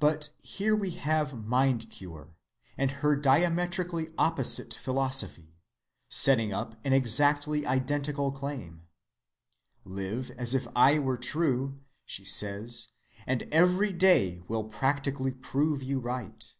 But here we have mind‐cure, with her diametrically opposite philosophy, setting up an exactly identical claim. Live as if I were true, she says, and every day will practically prove you right.